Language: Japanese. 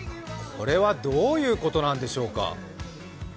これはどういうことなんでしょうか？